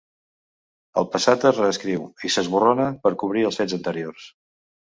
El passat es reescriu i s'esborrona per cobrir els fets anteriors.